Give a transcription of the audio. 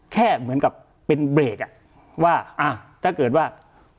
แค่เหมือนกับเป็นเบรกอ่ะว่าถ้าเกิดว่า